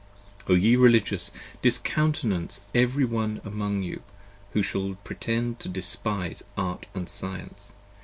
O ye Religious, discountenance every one among you who shall pretend to despise Art & Science!